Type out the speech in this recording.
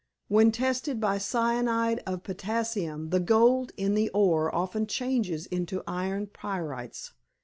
When tested by cyanide of potassium the gold in the ore often changes into iron pyrites.